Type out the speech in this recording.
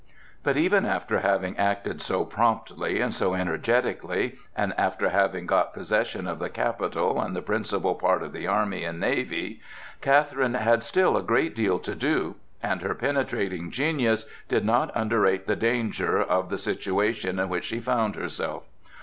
But even after having acted so promptly and so energetically, and after having got possession of the capital and the principal part of the army and the navy, Catherine had still a great deal to do, and her penetrating genius did not underrate the danger of the situation in which she found herself.